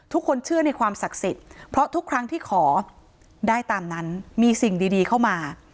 ทุกคนเชื่อในความศักดิ์สิทธิ์เพราะทุกครั้งที่ขอได้ตามนั้นมีสิ่งดีเข้ามา